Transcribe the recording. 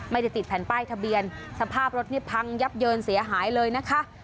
ไม่ได้ติดแผ่นป้ายทะเบียนสภาพรถนี่พังยับเยินเสียหายเลยนะคะ